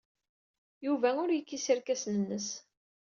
Yuba ur yekkis irkasen-nnes.